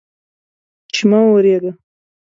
چې مه اوریږه